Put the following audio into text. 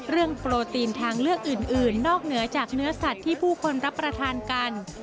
โปรตีนทางเลือกอื่นนอกเหนือจากเนื้อสัตว์ที่ผู้คนรับประทานกัน